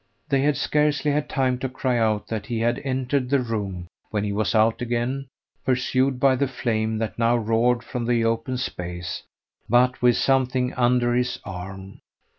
They had scarcely had time to cry out that he had entered the room when he was out again pursued by the flame that now roared from the open space, but with something under his arm.